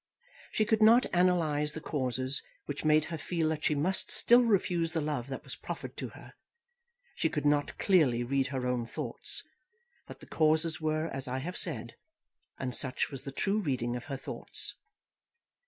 She could not analyse the causes which made her feel that she must still refuse the love that was proffered to her; she could not clearly read her own thoughts; but the causes were as I have said, and such was the true reading of her thoughts.